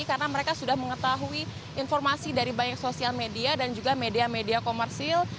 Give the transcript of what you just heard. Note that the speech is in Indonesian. karena mereka sudah mengetahui informasi dari banyak sosial media dan juga media media komersil